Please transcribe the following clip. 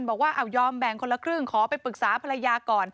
บอกว่ายอมแบ่งคนละครึ่งขอไปปรึกษาภรรยาก่อน